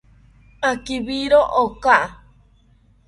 Akibiro ako